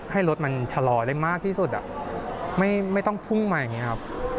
ให้รถมันชะลอได้มากที่สุดไม่ต้องพุ่งมาอย่างนี้ครับ